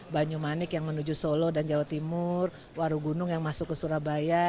banyumanik yang menuju solo dan jawa timur warugunung yang masuk ke surabaya